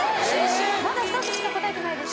まだ一つしか答えてないです